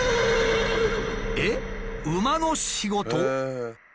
えっ馬の仕事？